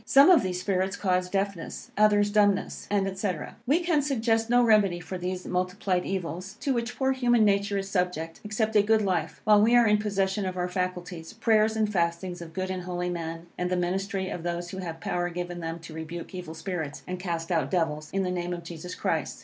Some of these spirits cause deafness, others dumbness, &c. We can suggest no remedy for these multiplied evils, to which poor human nature is subject, except a good life, while we are in possession of our faculties, prayers and fastings of good and holy men, and the ministry of those who have power given them to rebuke evil spirits, and cast out devils, in the name of Jesus Christ.